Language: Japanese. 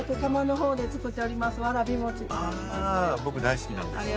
僕、大好きなんです。